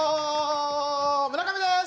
村上です！